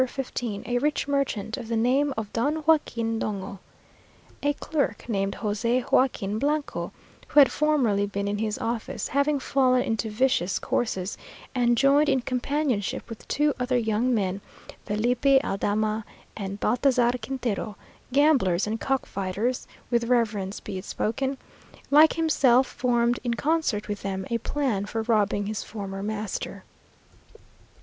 15, a rich merchant of the name of Don Joaquin Dongo. A clerk named José Joaquin Blanco, who had formerly been in his office, having fallen into vicious courses, and joined in companionship with two other young men, Filipe Aldama and Baltazar Quintero gamblers and cock fighters (with reverence be it spoken) like himself, formed, in concert with them, a plan for robbing his former master.